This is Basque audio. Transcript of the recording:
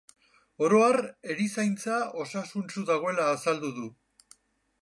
Oro har, erizaintza osasuntsu dagoela azaldu du.